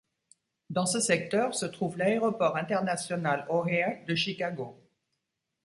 Dans ce secteur se trouve l'aéroport international O'Hare de Chicago.